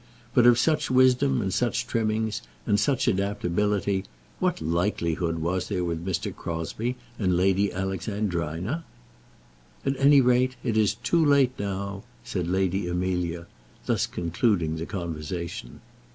But of such wisdom, and such trimmings, and such adaptability, what likelihood was there with Mr. Crosbie and Lady Alexandrina? "At any rate, it is too late now," said Lady Amelia, thus concluding the conversation.